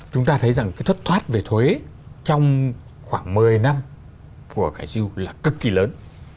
chúng ta thấy rằng cái thất thoát về thuế trong khoảng một mươi năm của khải dưu là cực kỳ lớn